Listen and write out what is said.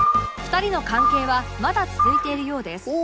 ２人の関係はまだ続いているようです